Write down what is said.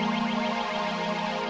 kemudian kembali lagi ke aku dong